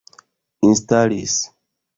instalis